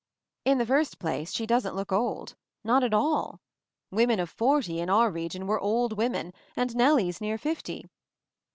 In the first place, she doesn't look old — not at all. Women of forty, in our region, were old women, and Nellie's near fifty!